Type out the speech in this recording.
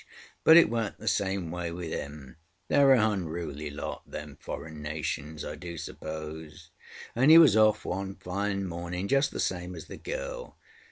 But it went the same way with him. TheyŌĆÖre a hunruly lot, them foreign nations, I do suppose, and he was off one fine morning just the same as the girl.